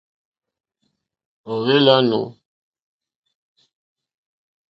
Ò hwé !lánù.